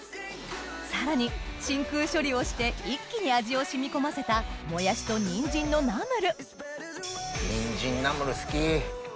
さらに真空処理をして一気に味を染み込ませたもやしとにんじんのナムルにんじんナムル好き。